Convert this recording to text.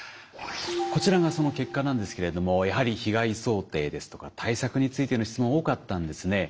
こちらがその結果なんですけれどもやはり被害想定ですとか対策についての質問多かったんですね。